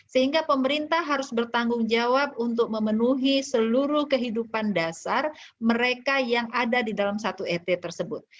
sehingga pemerintah harus bertanggung jawab untuk memenuhi seluruh kehidupan dasar mereka yang ada di dalam satu et tersebut